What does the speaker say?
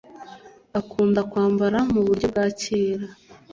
Akunda kwambara muburyo bwa kera.